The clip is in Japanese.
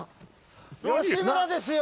吉村ですよ！